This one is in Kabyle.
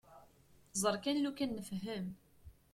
Ẓer kan lukan nefhem.